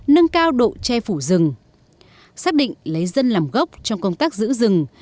nâng cao độ che phủ rừng xác định lấy dân làm gốc trong công tác giữ rừng